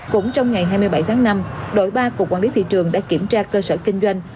cũng trong ngày hai mươi bảy tháng năm đội ba cục quản lý thị trường đã kiểm tra cơ sở kinh doanh